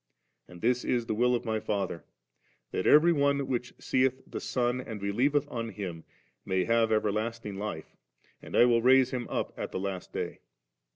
And this is the will of My Father, that every one which seeth the Son and believeth on Him may have everlasting life, and I will raise him up at the last day'.'